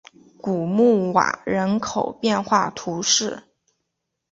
古穆瓦人口变化图示